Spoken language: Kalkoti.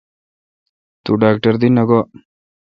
توڈاکٹر دی نہ گوا؟